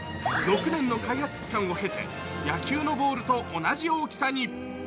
６年の開発期間を経て野球のボールと同じ大きさに。